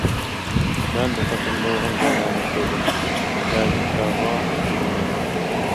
مەن بۇ قېتىم نۇرغۇن جايلارنى كۆردۈم، بەزى ئىشلارغا كۆزۈم يەتتى.